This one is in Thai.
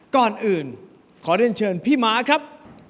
ก่อนอื่นขอเรียนเชิญพี่ม้าครับ